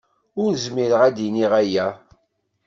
Ur zmireɣ ad iniɣ aya.